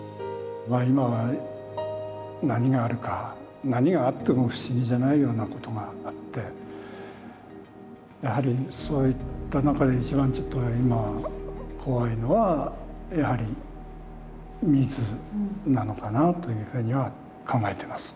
今は何があるか何があっても不思議じゃないようなことがあってやはりそういった中で一番ちょっと今怖いのはやはり水なのかなというふうには考えてます。